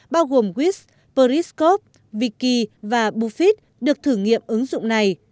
bao gồm wix periscope wiki và buffet được thử nghiệm ứng dụng này